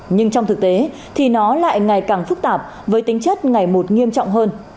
nhưng trong thực tế thì nó lại ngày càng phức tạp với tính chất ngày một nghiêm trọng hơn